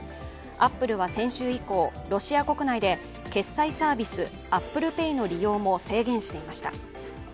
アップルは先週以降、ロシア国内で決済サービス・ＡｐｐｌｅＰａｙの利用も制限していました。